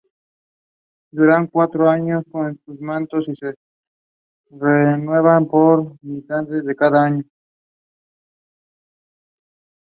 Duran cuatro años en sus mandatos y se renuevan por mitades cada dos años.